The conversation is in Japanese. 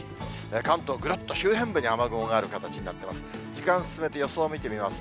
関東、ぐるっと周辺部に雨雲がある形になっています。